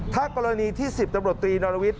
ถ้ากรณีที่๑๐ตำรวจตรีนรวิทย